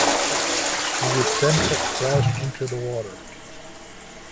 He would then have crashed into the water.